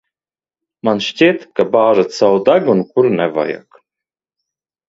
Man šķiet, ka bāžat savu degunu, kur nevajag.